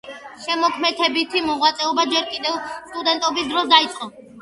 შემოქმედებითი მოღვაწეობა ჯერ კიდევ სტუდენტობის დროს დაიწყო.